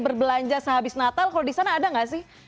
berbelanja sehabis natal kalau di sana ada nggak sih